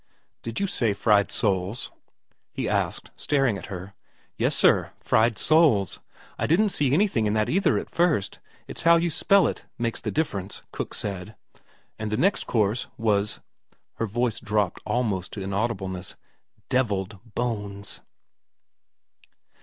' Did you say fried soles ?' he asked, staring at her. ' Yes sir. Fried soles. I didn't see anything in that either at first. It's how you spell it makes the difference, Cook said. And the next course was ' her voice dropped almost to inaudibleness ' devilled bones.'